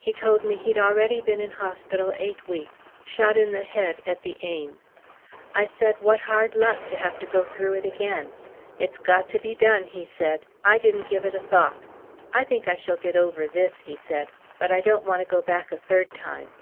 He told me he'd already been in hospital eight weeks, shot in the head at the Aisne. I said what hard luck to have to go through it again. "It's got to be done," he said. "I didn't give it a thought. I think I shall get over this," he said, "but I don't want to go back a third time."